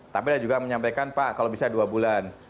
tapi ada juga menyampaikan pak kalau bisa dua bulan